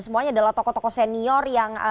semua adalah takut ado senior